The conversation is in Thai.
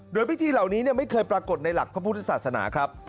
โดยพิธีเหล่านี้ไม่เคยปรากฏในหลักพระพุทธศาสนาครับ